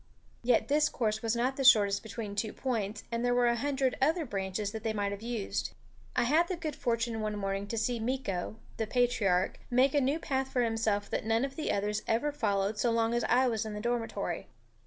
Yet this course was not the shortest between two points, and there were a hundred other branches that they might have used. I had the good fortune one morning to see Meeko, the patriarch, make a new path for himself that none of the others ever followed so long as I was in the dormitory.